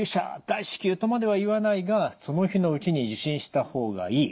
大至急！」とまでは言わないがその日のうちに受診した方がいい。